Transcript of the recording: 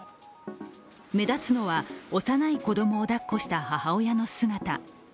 目立つのは、幼い子供をだっこした母親の姿。